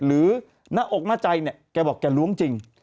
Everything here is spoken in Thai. หรือในหน้าอกในใจก็บอกแกล้วงจริง